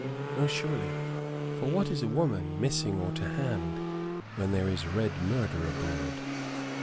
"No, surely; for what is a woman, missing or to hand, when there is red murder abroad?